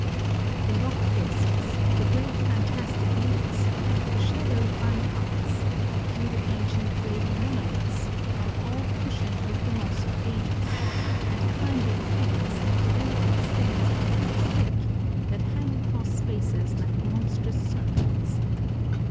The rock faces, the great fantastic roots, the shadowed by paths, the few ancient graven monoliths, are all cushioned with the moss of ages ; and climbing things have developed stems a foot thick, that hang across spaces like monstrous serpents.